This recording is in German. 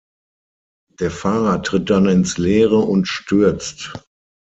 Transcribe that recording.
Der Fahrer tritt dann ins Leere und stürzt.